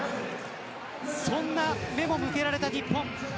そんな目も向けられた日本。